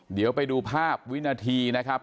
เดี๋ยวไปดูภาพวินาทีนะครับ